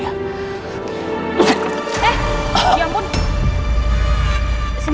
eh ya ampun